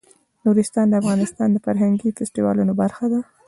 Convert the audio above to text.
نورستان د افغانستان د فرهنګي فستیوالونو برخه ده.